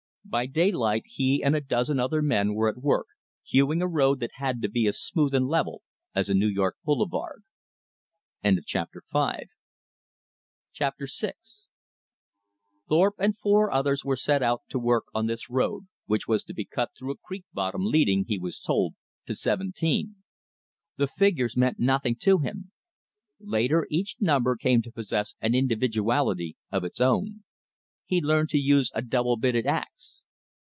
By daylight he and a dozen other men were at work, hewing a road that had to be as smooth and level as a New York boulevard. Chapter VI Thorpe and four others were set to work on this road, which was to be cut through a creek bottom leading, he was told, to "seventeen." The figures meant nothing to him. Later, each number came to possess an individuality of its own. He learned to use a double bitted ax.